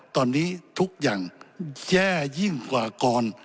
ตอนนี้ทุกอย่างแย่ยิ่งกว่าก่อน